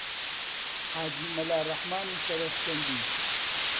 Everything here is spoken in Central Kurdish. حاجی مەلا ڕەحمانی شەرەفکەندی: